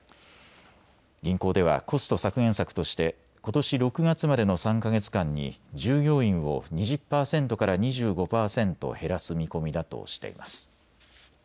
銀行ではコスト削減策としてことし６月までの３か月間に従業員を２０％から２５％減らす見込みだとしています。